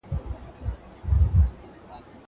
که قباله وي نو دعوا نه جوړیږي.